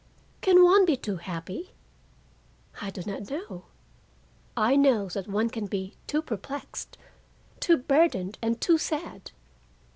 Can one be too happy? I do not know. I know that one can be too perplexed, too burdened and too sad.